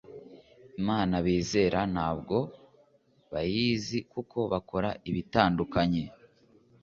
imana bizera ntago bayizi kuko bakora ibitandukanye